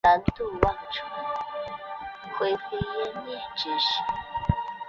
辛未年是乾隆十六年。